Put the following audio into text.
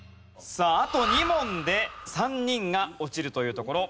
さああと２問で３人が落ちるというところ。